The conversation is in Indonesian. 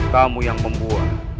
kamu yang membuat